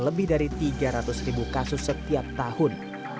lebih dari tiga ratus ribu kasus setiap tahun